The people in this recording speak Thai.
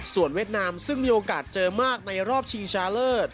ส่วนเวียดนามซึ่งมีโอกาสเจอมากในรอบชิงชาเลิศ